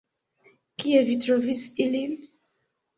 Kie vi trovis ilin?